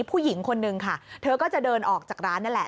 ผู้หญิงคนนึงค่ะเธอก็จะเดินออกจากร้านนั่นแหละ